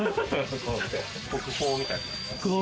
国宝みたいな。